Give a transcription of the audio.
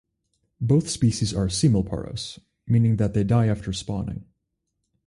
Both species are semelparous, meaning that they die after spawning.